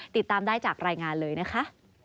ติดตามได้จากรายงานเลยนะคะ